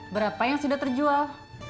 berapa yang sudah terjual